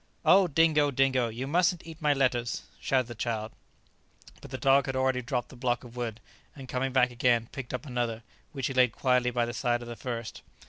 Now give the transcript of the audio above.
"Oh, Dingo, Dingo! you mustn't eat my letters!" shouted the child. But the dog had already dropped the block of wood, and coming back again, picked up another, which he laid quietly by the side of the first.